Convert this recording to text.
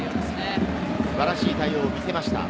素晴らしい対応を見せました。